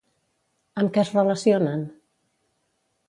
Amb què es relacionen?